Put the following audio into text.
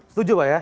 setuju pak ya